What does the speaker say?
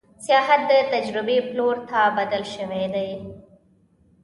سیاحت د تجربې پلور ته بدل شوی دی.